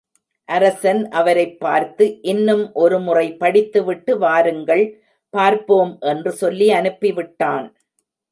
அரசன் அவரைப் பார்த்து, இன்னும் ஒரு முறை படித்து விட்டு வாருங்கள், பார்ப்போம் என்று சொல்லி அனுப்பி விட்டான்.